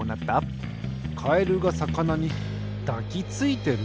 カエルがさかなにだきついてる？